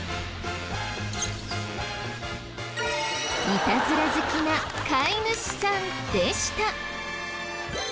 イタズラ好きな飼い主さんでした。